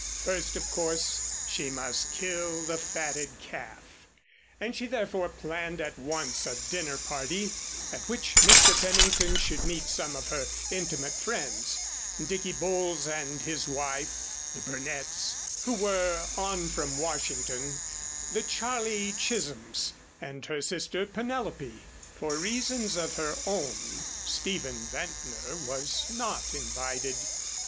First, of course, she must kill the fatted calf, and she therefore planned at once a dinner party, at which Mr. Pennington should meet some of her intimate friends, Dicky Bowles and his wife, the Burnetts, who were on from Washington, the Charlie Chisolms and her sister Penelope. For reasons of her own Stephen Ventnor was not invited.